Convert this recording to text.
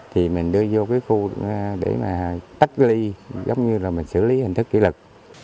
thì vô cái khu để mà tắt ly giống như là mình xử lý hình thức kỹ lực